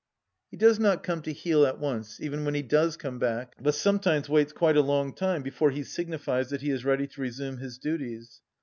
He does not come to heel at once, even when he does come back, but sometimes waits quite a long time before he signifies that he is ready to resume his duties.